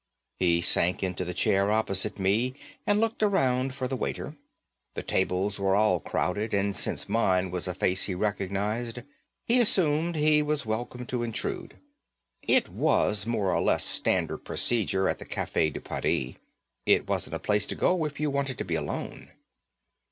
He sank into the chair opposite me and looked around for the waiter. The tables were all crowded and since mine was a face he recognized, he assumed he was welcome to intrude. It was more or less standard procedure at the Cafe de Paris. It wasn't a place to go if you wanted to be alone.